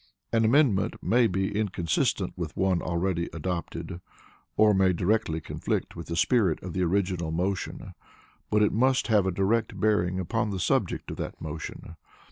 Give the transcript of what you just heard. An Amendment may be inconsistent with one already adopted, or may directly conflict with the spirit of the original motion, but it must have a direct bearing upon the subject of that motion.